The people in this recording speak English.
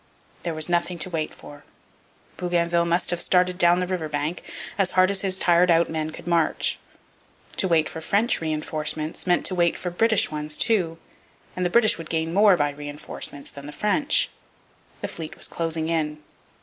There was nothing to wait for. Bougainville must have started down the river bank, as hard as his tired out men could march. To wait for French reinforcements meant to wait for British ones too, and the British would gain more by reinforcements than the French. The fleet was closing in.